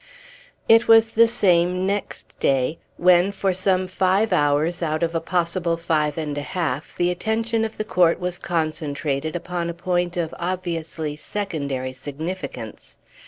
It was the same next day, when, for some five hours out of a possible five and a half, the attention of the court was concentrated upon a point of obviously secondary significance.